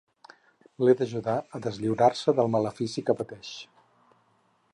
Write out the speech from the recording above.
L'he d'ajudar a deslliurar-se del malefici que pateix.